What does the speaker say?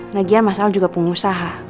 lagian mas al juga pengusaha